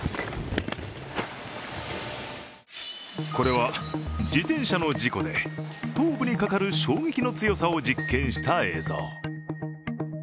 これは自転車の事故で頭部にかかる衝撃の強さを実験した映像。